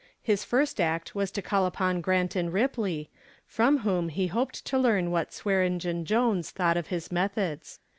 His first act was to call upon Grant & Ripley, from whom he hoped to learn what Swearengen Jones thought of his methods.